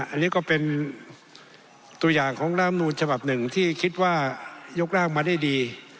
อันนี้ก็เป็นตัวอย่างของน้ำนูลฉบับหนึ่งที่คิดว่ายกร่างมาได้ดี